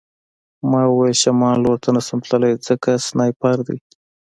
ما وویل شمال لور ته نشم تللی ځکه سنایپر دی